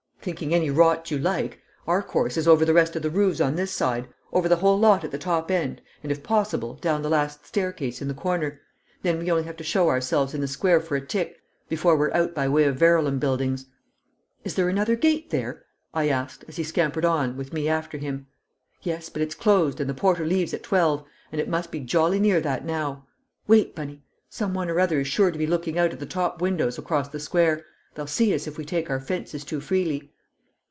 "Thinking any rot you like! Our course is over the rest of the roofs on this side, over the whole lot at the top end, and, if possible, down the last staircase in the corner. Then we only have to show ourselves in the square for a tick before we're out by way of Verulam Buildings." "Is there another gate there?" I asked as he scampered on with me after him. "Yes; but it's closed and the porter leaves at twelve, and it must be jolly near that now. Wait, Bunny! Some one or other is sure to be looking out of the top windows across the square; they'll see us if we take our fences too freely!"